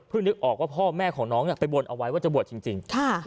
นึกออกว่าพ่อแม่ของน้องไปบนเอาไว้ว่าจะบวชจริง